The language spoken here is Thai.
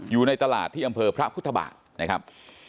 อยู่ในตลาดที่อำเภอพระพุทธบาทนะครับ